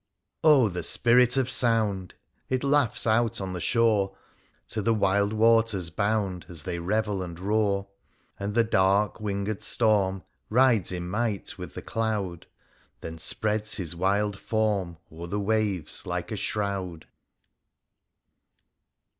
Oh ! the Spirit of Sound ! It laughs out on the shore. To the wild waters bound. As they revel and roar; And the dark winged storm Rides in might with the cloud. Then spreads his wild form O'er the waves, hke a shroud